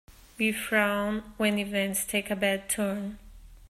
We frown when events take a bad turn.